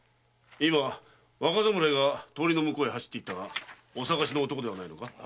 今若侍が通りの向こうへ走っていったがお探しの男ではないか？